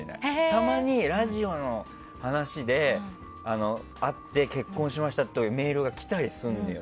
たまにラジオで結婚しましたっていうメールがきたりするんだよ。